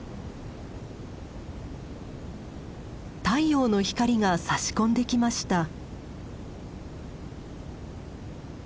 太陽の光がさし込んできました。